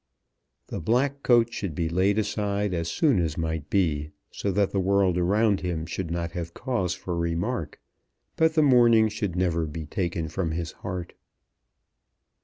The black coat should be laid aside as soon as might be, so that the world around him should not have cause for remark; but the mourning should never be taken from his heart.